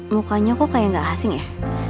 mukanya kok kayak gak asing ya